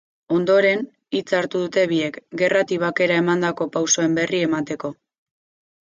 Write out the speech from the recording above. Ondoren, hitza hartu dute biek, gerratik bakera emandako pausoen berri emateko.